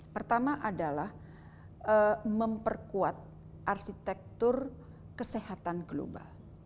pertama adalah memperkuat arsitektur kesehatan global